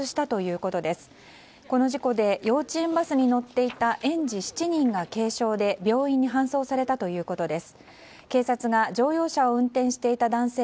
この事故で幼稚園バスに乗っていた園児７人が軽傷で病院に搬送されたということです。